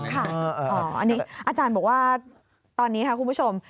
อ้าวนี่อาจารย์บอกว่าตอนนี้น่ะคุณผู้ชม